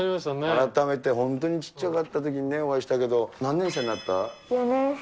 改めて本当にちっちゃかったときにお会いしたけど、何年生になった？